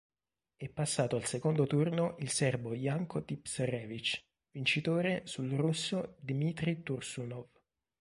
È passato al secondo turno il serbo Janko Tipsarević vincitore sul russo Dmitrij Tursunov.